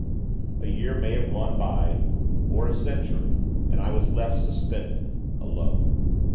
A year may have gone by or a century and I was left, suspended, alone.